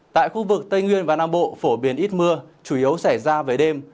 tại khu vực tây nguyên và nam bộ phổ biến ít mưa chủ yếu xảy ra về đêm